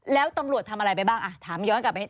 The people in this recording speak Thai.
แล้วตำรวจทำอะไรไปบ้างอ่ะถามย้อนกลับไป